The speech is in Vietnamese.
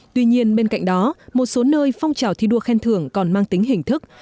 tuy nhiên bên cạnh đó một số nơi phong trào thi đua khen thưởng còn mang tính hình thức